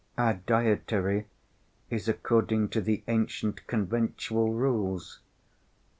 "Our dietary is according to the ancient conventual rules.